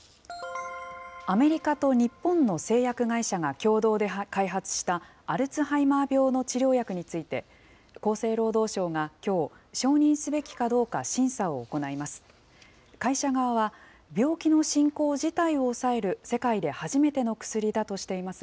アメリカと日本の製薬会社が共同で開発した、アルツハイマー病の治療薬について、厚生労働省がきょう、承認すべきかどうか審査を行います。